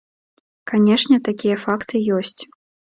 Канешне, такія факты ёсць.